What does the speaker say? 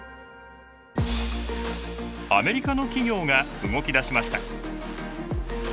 アメリカの企業が動き出しました。